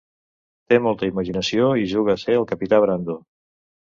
Té molta imaginació i juga a ser el capità Brando.